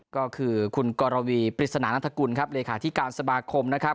ก็คือคุณกรวีปริศนานัฐกุลครับเลขาธิการสมาคมนะครับ